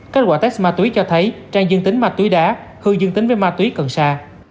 kết quả test ma túy cho thấy trang dương tính ma túy đá hương dương tính với ma túy cần xa